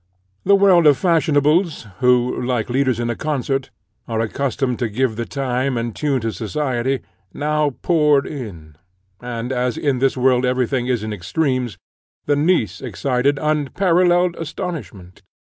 The world of fashionables, who, like leaders in a concert, are accustomed to give the time and tune to society, now poured in; and, as in this world every thing is in extremes, the niece excited unparalleled astonishment.